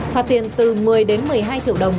phạt tiền từ một mươi đến một mươi hai triệu đồng